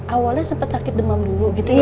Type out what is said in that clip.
awalnya sempat sakit demam dulu gitu ya